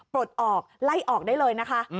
ปลดออกไล่ออกได้เลยนะคะ